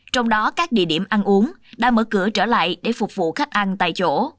trong đó các địa điểm ăn uống đã mở cửa trở lại để phục vụ khách ăn tại chỗ